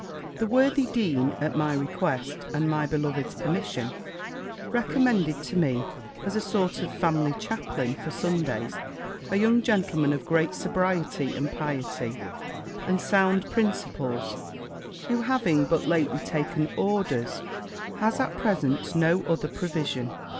The worthy dean, at my request, and my beloved's permission, recommended to me, as a sort of family chaplain, for Sundays, a young gentleman of great sobriety and piety, and sound principles, who having but lately taken orders, has at present no other provision.